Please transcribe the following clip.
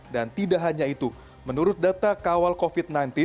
dan tidak hanya itu menurut data kawal covid sembilan belas